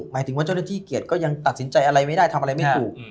หมายถึงว่าเจ้าหน้าที่เกียรติก็ยังตัดสินใจอะไรไม่ได้ทำอะไรไม่ถูก